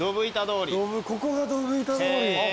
ここがドブ板通り。